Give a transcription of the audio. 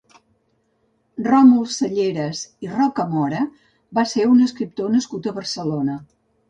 Ròmul Salleres i Rocamora va ser un escriptor nascut a Barcelona.